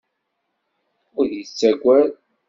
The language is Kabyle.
Ur yettagad.